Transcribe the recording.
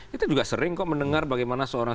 kita juga sering kok mendengar bagaimana seorang